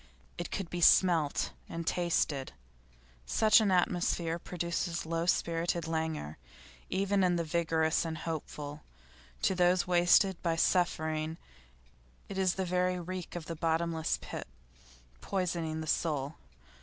It could be smelt and tasted. Such an atmosphere produces low spirited languor even in the vigorous and hopeful; to those wasted by suffering it is the very reek of the bottomless pit, poisoning the soul.